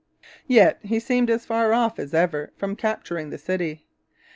Yet he seemed as far off as ever from capturing the city.